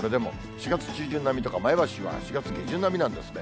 ４月中旬並みとか、前橋は４月下旬並みなんですね。